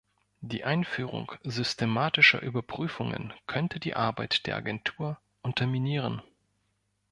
Die Einführung systematischer Überprüfungen könnte die Arbeit der Agentur unterminieren.